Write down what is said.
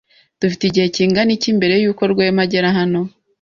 Dufite igihe kingana iki mbere yuko Rwema agera hano?